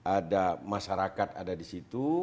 ada masyarakat ada di situ